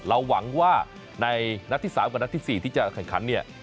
เราหวังว่าในนัดที่๓กับนัดที่๔ที่จะให้การขั้น